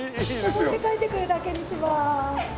上って帰ってくるだけにします。